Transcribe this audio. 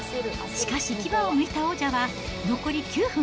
しかし、牙をむいた王者は、残り９分。